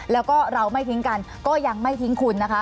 แล้วก็เราไม่ทิ้งกันก็ยังไม่ทิ้งคุณนะคะ